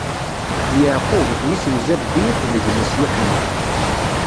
D Yeɛqub, mmi-s n Zabdi akked gma-s Yuḥenna.